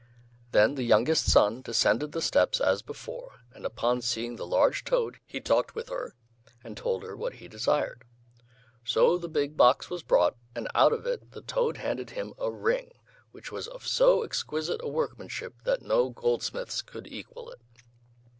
Then the youngest son descended the steps as before, and upon seeing the large toad he talked with her, and told her what he desired. So the big box was brought, and out of it the toad handed him a ring which was of so exquisite a workmanship that no goldsmith's could equal it.